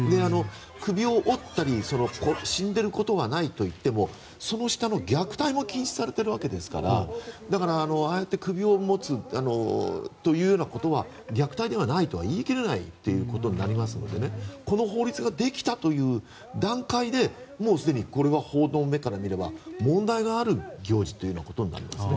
首を折ったり死んでることはないといってもその下の虐待も禁止されているわけですからだから、ああやって首を持つというようなことは虐待ではないとは言い切れないことになりますからこの法律ができたという段階でもうすでにこれは法の目から見れば問題がある行事ということになります。